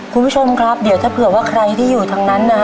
คุณผู้ชมครับเดี๋ยวถ้าเผื่อว่าใครที่อยู่ทางนั้นนะฮะ